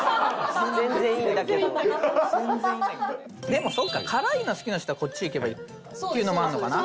でもそうか辛いの好きな人はこっちいけばいいっていうのもあるのかな？